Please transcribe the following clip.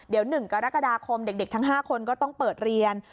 เดี๋ยว๑กรกฎาคมเด็กทั้ง๕คนก็ต้องเปิดเรียน